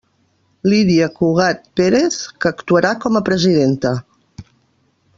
Lídia Cugat Pérez, que actuarà com a presidenta.